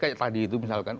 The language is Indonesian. kayak tadi itu misalkan